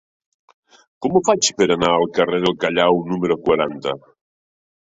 Com ho faig per anar al carrer del Callao número quaranta?